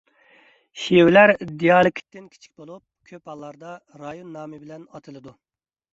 شېۋىلەر دىئالېكتتىن كىچىك بولۇپ، كۆپ ھاللاردا رايون نامى بىلەن ئاتىلىدۇ.